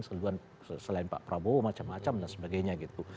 keluhan selain pak prabowo macam macam dan sebagainya gitu